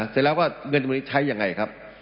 เสร็จแล้วก็เงินตรงนี้ใช้ยังไงครับ